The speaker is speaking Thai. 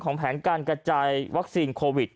แผนการกระจายวัคซีนโควิด